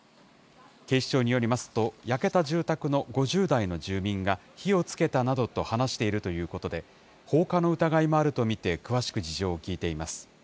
警視庁によりますと、焼けた住宅の５０代の住民が、火をつけたなどと話しているということで、放火の疑いもあると見て、詳しく事情を聴いています。